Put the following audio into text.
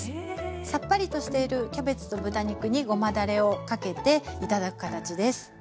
さっぱりとしているキャベツと豚肉にごまだれをかけて頂く形です。